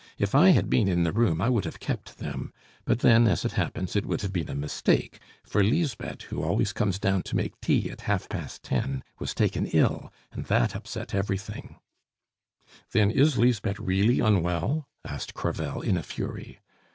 If I had been in the room, I would have kept them; but then, as it happens, it would have been a mistake, for Lisbeth, who always comes down to make tea at half past ten, was taken ill, and that upset everything " "Then is Lisbeth really unwell?" asked Crevel in a fury.